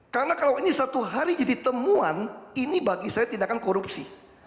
karena kalau ini satu hari jadi temuan ini bagi saya tindakan korupsi